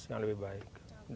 yang lebih baik